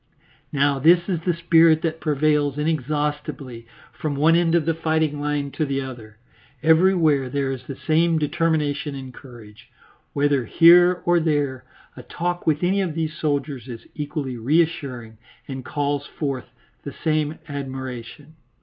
Now this is the spirit that prevails inexhaustibly from one end of the fighting line to the other. Everywhere there is the same determination and courage. Whether here or there, a talk with any of these soldiers is equally reassuring, and calls forth the same admiration.